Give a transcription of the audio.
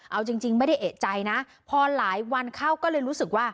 เอาจริงไม่ได้เอกใจนะพอหลายวันเข้าก็เลยรู้สึกว่า